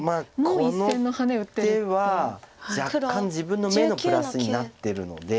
この手は若干自分の眼のプラスになってるので。